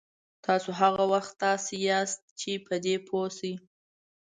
تاسو هغه وخت تاسو یاستئ چې په دې پوه شئ.